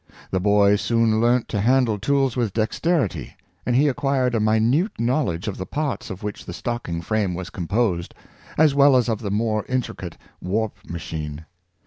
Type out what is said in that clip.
The boy soon learnt to handle tools with dexterity, and he acquired a minute knowledge of the parts of which the stocking frame was composed, as well as of the more intricate warp machine.